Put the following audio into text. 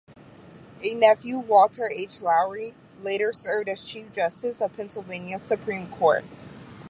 A nephew, Walter H. Lowrie, later served as chief justice of Pennsylvania's Supreme Court.